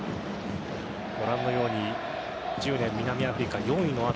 ご覧のように、１０年南アフリカ、４位の後